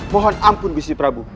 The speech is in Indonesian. mohon ampun gusli prabu